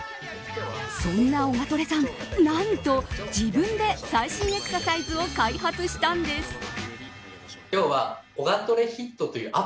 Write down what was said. そんなオガトレさん、何と自分で最新エクササイズを開発したんです。